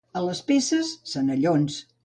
A les Peces, senallons.